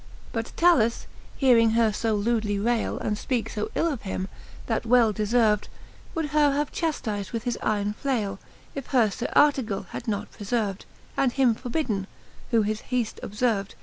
ButT^/^^J hearing her fo lewdly raile, And fpeake fb ill of him, that well deferved, Would her have chaftiz'd with his yron flaile, If her Sir Arte gall had not prefer ved, And him forbidden, who his heaft obferved.